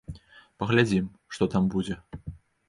Паглядзім, што там будзе.